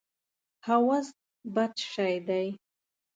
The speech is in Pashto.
هوس بد شی دی.